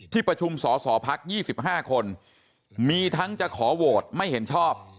ที่ประชุมศศภักดิ์๒๕คนมีทั้งจะขอโหวตไม่เห็นชอบ